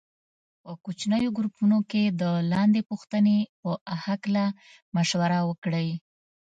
په کوچنیو ګروپونو کې د لاندې پوښتنې په هکله مشوره وکړئ.